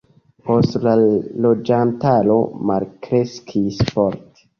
Poste la loĝantaro malkreskis forte.